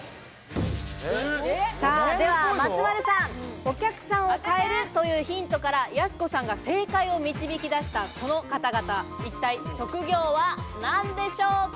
では、松丸さん、お客さんを変えるというヒントから、やす子さんが正解を導き出したこの方々、一体職業は何でしょうか？